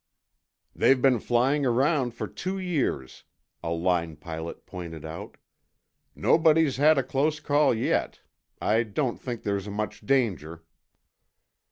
"They've been flying around for two years," a line pilot pointed out. "Nobody's had a close call yet. I don't think there's much danger."